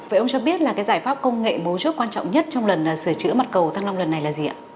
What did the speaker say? vậy ông cho biết là cái giải pháp công nghệ mối chốt quan trọng nhất trong lần sửa chữa mặt cầu thăng long lần này là gì ạ